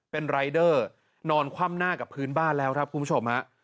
เป็นรายเดอร์นอนคว่ำหน้ากับพื้นบ้านแล้วครับคุณผู้ชมฮะ